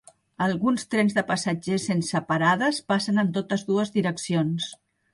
Alguns trens de passatgers sense parades passen en totes dues direccions.